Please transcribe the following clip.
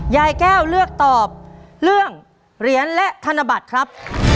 ยายแก้วเลือกตอบเรื่องเหรียญและธนบัตรครับ